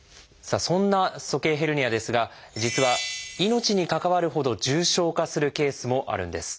そんな鼠径ヘルニアですが実は命に関わるほど重症化するケースもあるんです。